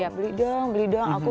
beli dong beli dong